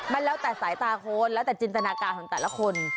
ปืนแล้วแต่สายตาคนและจินสนากาศคุณแต่ละคน